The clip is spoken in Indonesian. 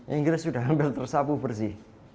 inggris sudah hampir tersapu bersih